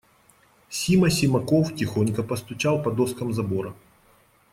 Сима Симаков тихонько постучал по доскам забора.